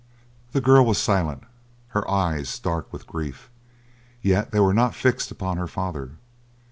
The girl was silent, her eyes dark with grief; yet they were not fixed upon her father.